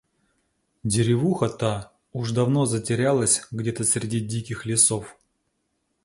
Деревуха та уж давно затерялась где-то среди диких лесов.